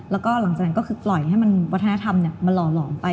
แล้วก็หลังจากนั้นก็คือปล่อยให้มันวัฒนธรรมมันหล่อหลอมไป